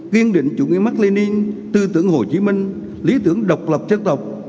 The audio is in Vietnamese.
kiên định chủ nghĩa mắc lê ninh tư tưởng hồ chí minh lý tưởng độc lập chân tộc